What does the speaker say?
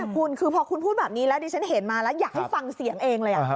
คุณคือพอคุณพูดแบบนี้แล้วดิฉันเห็นมาแล้วอยากให้ฟังเสียงเองเลย